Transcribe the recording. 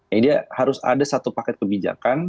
jadi harus ada satu paket kebijakan